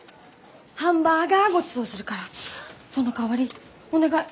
ハンバーガーごちそうするからそのかわりお願い！